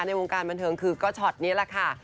ในวงการบันเทิงคือก็ช็อตนี้แหละค่ะ